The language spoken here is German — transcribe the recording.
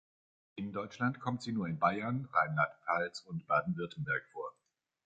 In Deutschland kommt sie nur in Bayern, Rheinland-Pfalz und Baden-Württemberg vor.